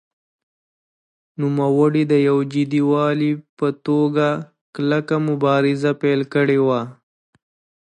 نوموړي د یو جدي والي په توګه کلکه مبارزه پیل کړې وه.